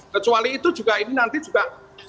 kecuali itu juga ini nanti juga